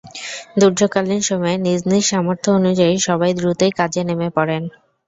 দুর্যোগকালীন সময়ে নিজ নিজ সামর্থ্য অনুযায়ী সবাই দ্রুতই কাজে নেমে পড়েন।